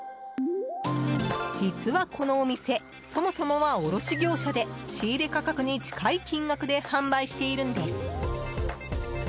実は、このお店そもそもは卸業者で仕入れ価格に近い金額で販売しているんです。